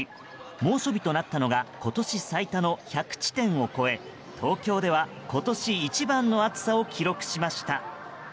猛暑日となったのが今年最多の１００地点を超え東京では今年一番の暑さを記録しました。